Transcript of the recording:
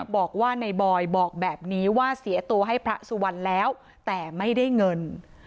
บอกว่าในบอยบอกแบบนี้ว่าเสียตัวให้พระสุวรรณแล้วแต่ไม่ได้เงิน